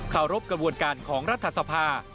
รบกระบวนการของรัฐสภา